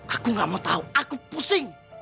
aku gak mau tahu aku pusing